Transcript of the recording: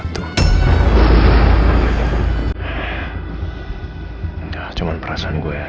tidur lagi ya